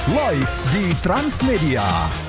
lais di transmedia